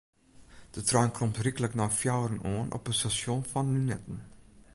De trein komt ryklik nei fjouweren oan op it stasjon fan Lunetten.